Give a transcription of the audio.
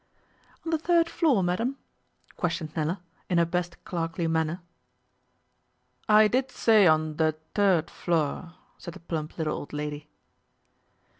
'On the third floor, madam?' questioned Nella, in her best clerkly manner. 'I did say on de tird floor,' said the plump little old lady.